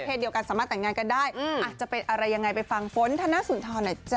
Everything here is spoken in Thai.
เดียวกันสามารถแต่งงานกันได้อาจจะเป็นอะไรยังไงไปฟังฝนธนสุนทรหน่อยจ้